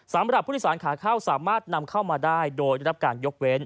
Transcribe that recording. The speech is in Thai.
สำหรับผู้โดยสารขาเข้าสามารถนำเข้ามาได้โดยได้รับการยกเว้น